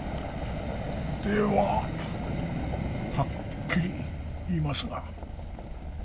でははっきり言いますが。